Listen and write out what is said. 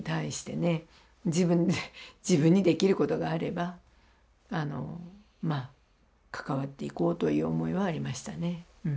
自分にできることがあればまあ関わっていこうという思いはありましたねうん。